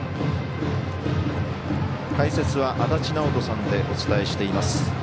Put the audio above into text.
解説は足達尚人さんでお伝えしています。